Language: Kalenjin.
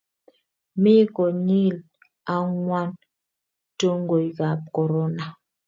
mi konyil ang'wan tongoikab korona